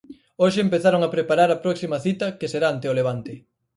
Hoxe empezaron a preparar a próxima cita que será ante o Levante.